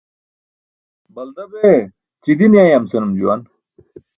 Balda bee ćidin yayam, senum juwan.